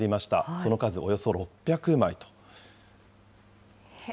その数およそ６００枚。